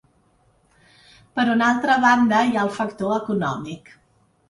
Per una altra banda, hi ha el factor econòmic.